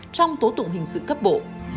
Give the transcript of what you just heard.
trong tố tụng hình sự cấp bộ